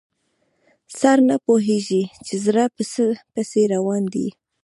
سر نه پوهېږي چې زړه په څه پسې روان دی.